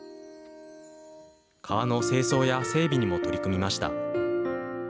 川の清掃や整備にも取り組みました。